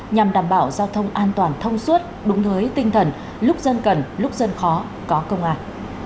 nhằm đảm bảo giao thông an toàn thông suốt đúng hới tinh thần lúc dân cần lúc dân khó có công an